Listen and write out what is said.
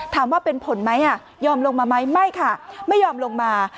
ถามว่าเป็นผลไหมยอมลงมาไหมไม่ค่ะไม่ยอมลงมา